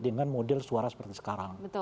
dengan model suara seperti sekarang